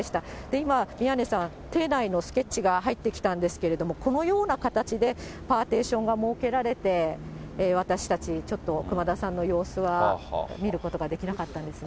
今、宮根さん、廷内のスケッチが入ってきたんですけれども、このような形で、パーティションが設けられて、私たち、ちょっと熊田さんの様子は見ることができなかったんですね。